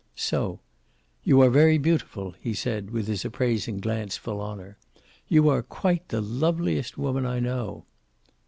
So: "You are very beautiful," he said with his appraising glance full on her. "You are quite the loveliest woman I know."